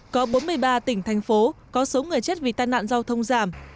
có bốn mươi ba tỉnh thành phố có số người chết vì tai nạn giao thông giảm